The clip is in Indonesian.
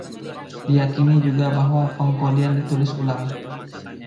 Diyakini juga bahwa pengkodean ditulis ulang.